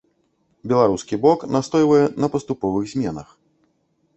Беларускі бок настойвае на паступовых зменах.